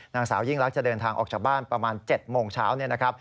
นางสาวยิ่งรักชินวัตรจะเดินทางออกจากบ้านประมาณ๗โมงเช้า